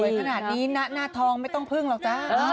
ขนาดนี้หน้าทองไม่ต้องพึ่งหรอกจ้า